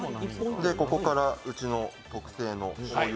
ここからうちの特製のしょうゆ